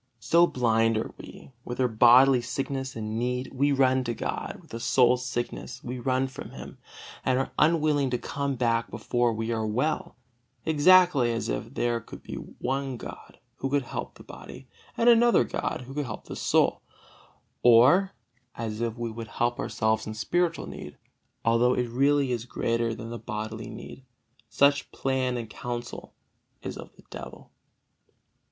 So blind are we: with our bodily sickness and need we run to God; with the soul's sickness we run from Him, and are unwilling to come back before we are well, exactly as if there could be one God who could help the body, and another God who could help the soul; or as if we would help ourselves in spiritual need, although it really is greater than the bodily need. Such plan and counsel is of the devil.